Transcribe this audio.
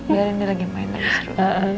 biar ini lagi main main seru